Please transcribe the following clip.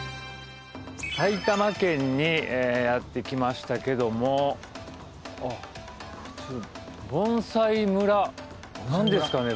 埼玉県にやって来ましたけどもあっ盆栽村何ですかね？